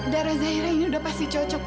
darah zahira ini udah pasti cocok